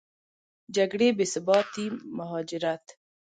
جګړې، بېثباتي، مهاجرت